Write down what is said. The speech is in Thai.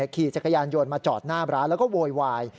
ขี่จักรยานยนต์มาจอดหน้าร้านแล้วก็โวยวาย